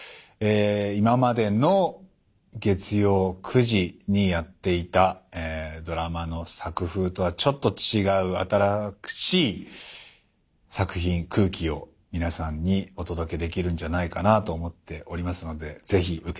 今までの月曜９時にやっていたドラマの作風とはちょっと違う新しい作品空気を皆さんにお届けできるんじゃないかなと思っておりますのでぜひ受け取ってほしいと思います。